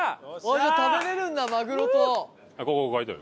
じゃあ食べられるんだマグロと。